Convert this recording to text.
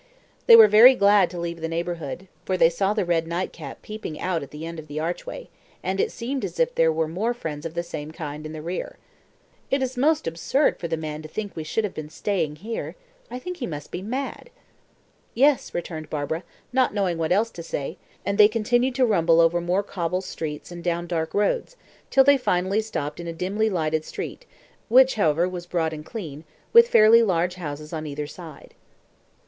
They were very glad to leave the neighbourhood, for they saw the red nightcap peeping out at the end of the archway, and it seemed as if there were more friends of the same kind in the rear. "It is most absurd for the man to think we should have been staying here. I think he must be mad." "Yes," returned Barbara, not knowing what else to say, and they continued to rumble over more cobble stones and down dark roads, till they finally stopped in a dimly lighted street, which, however, was broad and clean, with fairly large houses on either side.